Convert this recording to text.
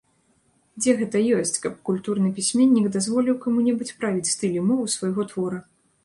Дзе гэта ёсць, каб культурны пісьменнік дазволіў каму-небудзь правіць стыль і мову свайго твора?